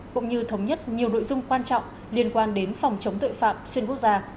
cũng như thống nhất nhiều nội dung quan trọng liên quan đến phòng chống tội phạm xuyên quốc gia